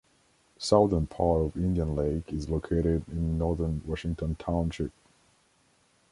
The southern part of Indian Lake is located in northern Washington Township.